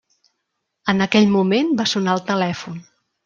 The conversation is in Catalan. En aquell moment va sonar el telèfon.